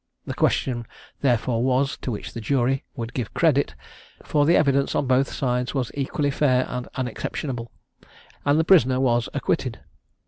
The question therefore was, to which the jury would give credit; for the evidence on both sides was equally fair and unexceptionable, and the prisoner was acquitted.